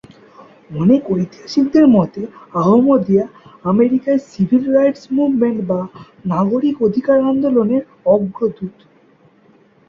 অনেক ঐতিহাসিকদের মতে আহমদীয়া আমেরিকায় 'সিভিল রাইটস মুভমেন্ট' বা নাগরিক অধিকার আন্দোলনের অগ্রদূত।